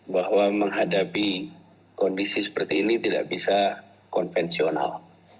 bahwa menghadapi kondisi seperti ini tidak bisa konvensional